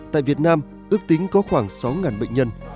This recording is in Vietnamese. tại việt nam ước tính có khoảng sáu bệnh nhân